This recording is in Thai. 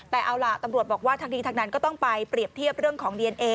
แต่เอาล่ะตำรวจบอกว่าทั้งนี้ทั้งนั้นก็ต้องไปเปรียบเทียบเรื่องของดีเอนเอ